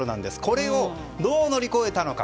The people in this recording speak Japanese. これを、どう乗り越えたのか。